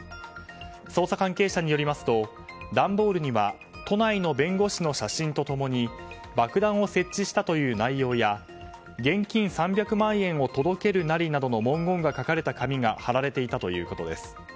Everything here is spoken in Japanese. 捜査関係者によりますと段ボールには都内の弁護士の写真と共に爆弾を設置したという内容や「現金３００万円を届けるナリ」などの文言が書かれた紙が貼られていたということです。